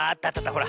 ほら。